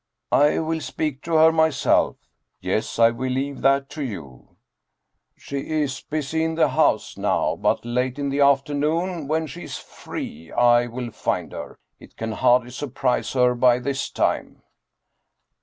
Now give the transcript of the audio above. " I will speak to her myself." " Yes, I will leave that to you." " She is busy in the house now. But late in the after noon when she is free, I will find her. It can hardly sur prise her by this time."